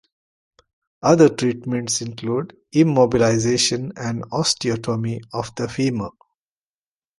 Other treatments include immobilization and osteotomy of the femur.